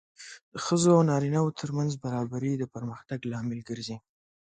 د ښځو او نارینه وو ترمنځ برابري د پرمختګ لامل ګرځي.